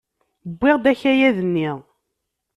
Wwiɣ-d akayad-nni.